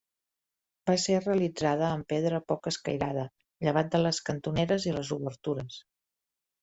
Va ser realitzada amb pedra poc escairada, llevat de les cantoneres i les obertures.